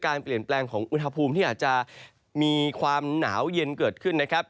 การเปลี่ยนแปลงของอุณหภูมิที่อาจจะมีความหนาวเย็นเกิดขึ้นนะครับ